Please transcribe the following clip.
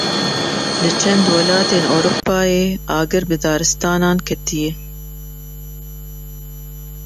Li çend welatên Ewropayê agir bi daristanan ketiye.